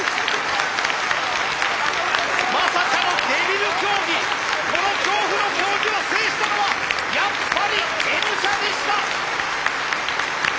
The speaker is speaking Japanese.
まさかのデビル競技この恐怖の競技を制したのはやっぱりＮ社でした！